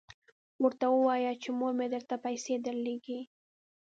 ورته ووایه چې مور مې درته پیسې درلیږي.